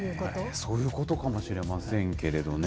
そういうことかもしれませんけれどもね。